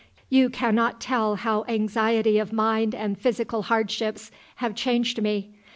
"You cannot tell how anxiety of mind and physical hardships have changed me.